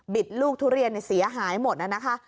บิดลูกทุเรียนเนี่ยเสียหายหมดน่ะนะคะ